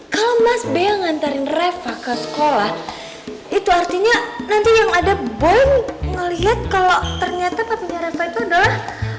kalau mas bea ngantarin reva ke sekolah itu artinya nanti yang ada bom ngelihat kalau ternyata papinya reva itu adalah